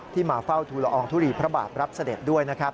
ที่มาเฝ้าธุระองค์ทุลีพระบาปรับเสด็จด้วย